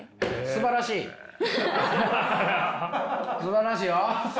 すばらしいよ。